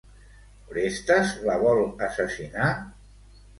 Orestes la vol assassinar?